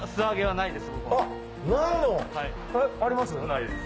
ないです。